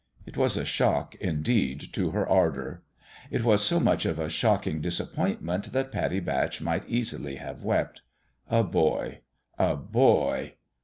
It was a shock, indeed, to her ardour. It was so much of a shocking disap pointment that Pattie Batch might easily have wept. A boy a boy